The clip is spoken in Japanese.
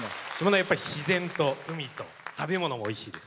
やっぱり自然と海と食べ物がおいしいです。